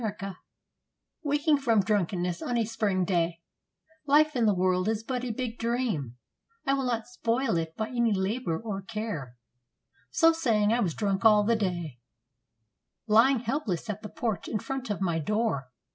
WAKING FROM DRUNKENNESS ON A SPRING DAY âLife in the World is but a big dream; I will not spoil it by any labour or care.â So saying, I was drunk all the day, Lying helpless at the porch in front of my door.